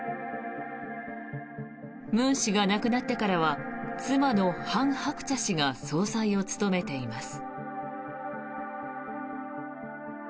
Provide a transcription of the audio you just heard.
ムン氏が亡くなってからは妻のハン・ハクチャ氏が総裁を務めています。